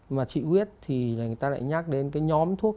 mà trị huyết thì người ta lại nhắc đến cái nhóm thuốc